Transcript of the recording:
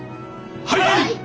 はい！